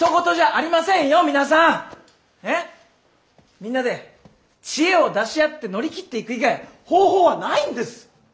みんなで知恵を出し合って乗り切っていく以外方法はないんです。